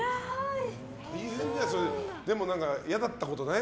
でも嫌だったことない？